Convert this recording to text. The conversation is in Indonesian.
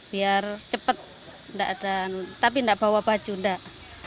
biar cepat tapi tidak bawa baju tidak